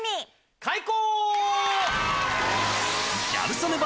開講！